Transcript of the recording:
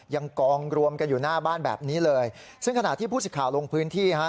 ยังกองรวมกันอยู่หน้าบ้านแบบนี้เลยซึ่งขณะที่ผู้สิทธิ์ข่าวลงพื้นที่ฮะ